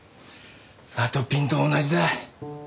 あとぴんと同じだ。